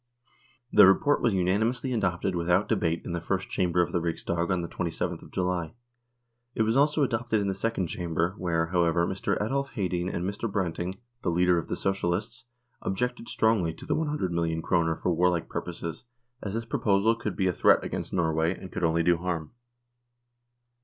The report was unanimously adopted without debate in the First Chamber of the Riksdag on the 27th of July. It was also adopted in the Second Chamber where, however, Mr. Adolf Hedin and Mr. Branting, the leader of the Socialists, objected strongly to the 100,000,000 kroner for warlike pur poses, as this proposal could but be a threat against Norway, and could only do harm.